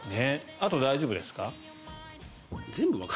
あとは大丈夫ですか？